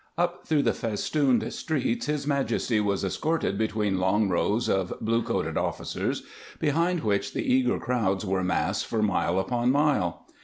Up through the festooned streets His Majesty was escorted between long rows of blue coated officers, behind which the eager crowds were massed for mile upon mile.